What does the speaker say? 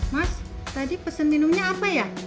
mas tadi pesan minumnya apa ya